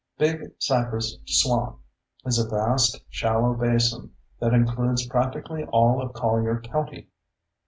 Big Cypress Swamp is a vast, shallow basin that includes practically all of Collier County.